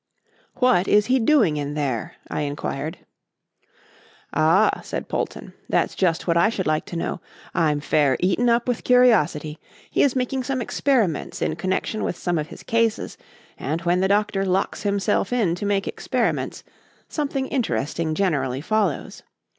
"What is he doing in there?" I inquired. "Ah!" said Polton, "that's just what I should like to know. I'm fair eaten up with curiosity. He is making some experiments in connection with some of his cases, and when the Doctor locks himself in to make experiments, something interesting generally follows.